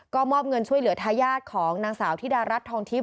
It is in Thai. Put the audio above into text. ก็มอบเงินช่วยเหลือทายาทของนางสาวธิดารัฐทองทิพย